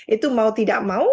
itu mau tidak mau